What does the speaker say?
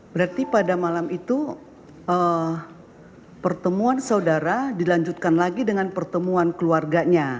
berarti pada malam itu pertemuan saudara dilanjutkan lagi dengan pertemuan keluarganya